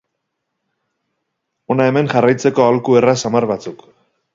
Hona hemen jarraitzeko aholku erraz samar batzuk.